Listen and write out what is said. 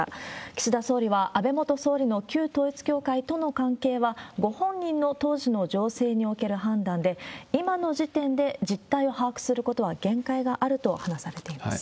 岸田総理は、安倍元総理の旧統一教会との関係は、ご本人の当時の情勢における判断で、今の時点で実態を把握することは限界があると話されています。